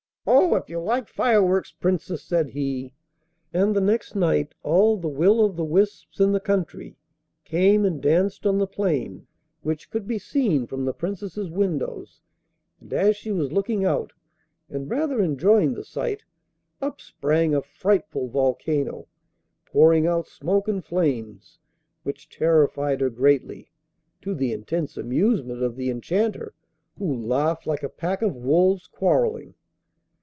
'Oh! if you like fireworks, Princess,' said he; and the next night all the will o' the wisps in the country came and danced on the plain, which could be seen from the Princess's windows, and as she was looking out, and rather enjoying the sight, up sprang a frightful volcano, pouring out smoke and flames which terrified her greatly, to the intense amusement of the Enchanter, who laughed like a pack of wolves quarrelling.